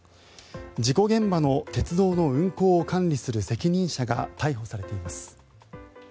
事故現場の鉄道の運行を管理する責任者が逮捕されています。